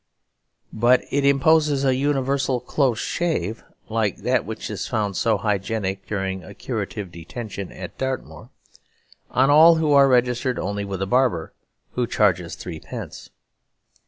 But it imposes a universal close shave (like that which is found so hygienic during a curative detention at Dartmoor) on all who are registered only with a barber who charges threepence.